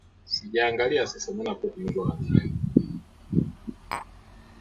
kuipa mamlaka ya kufanya uchunguzi humu nchini